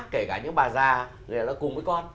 kể cả những bà già người đó cùng với con